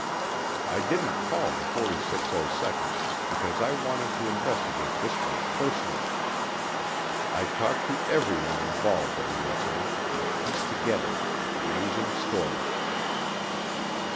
I didn't call the 4602nd because I wanted to investigate this one personally. I talked to everyone involved in the incident and pieced together an amazing story.